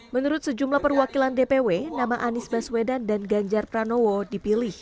menurut sejumlah perwakilan dpw nama anies baswedan dan ganjar pranowo dipilih